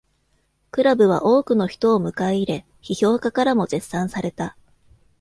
クラブは多くの人を迎え入れ、批評家からも絶賛された。